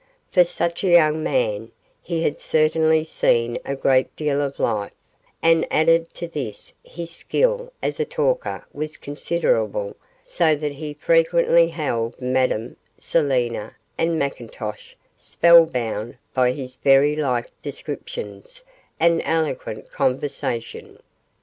For such a young man he had certainly seen a great deal of life, and, added to this, his skill as a talker was considerable, so that he frequently held Madame, Selina, and McIntosh spell bound by his fairy like descriptions and eloquent conversation.